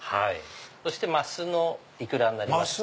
そして鱒のいくらになります。